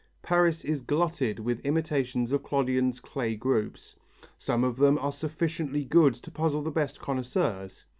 Paris is glutted with imitations of Clodion's clay groups. Some of them are sufficiently good to puzzle the best connoisseurs.